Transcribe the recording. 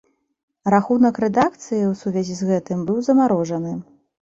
Рахунак рэдакцыі ў сувязі з гэтым быў замарожаны.